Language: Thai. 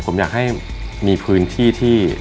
ผมอยากให้มีพื้นที่ที่